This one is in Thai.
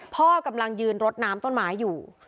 พ่อกำลังยืนรดน้ำต้นไม้อยู่